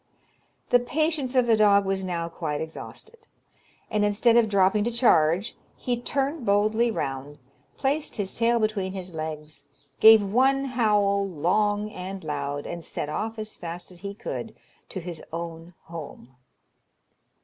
The patience of the dog was now quite exhausted; and, instead of dropping to charge, he turned boldly round, placed his tail between his legs, gave one howl, long and loud, and set off as fast as he could to his own home.